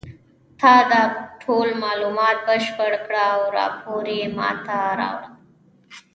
تا دا ټول معاینات بشپړ کړه او راپور یې ما ته راوړه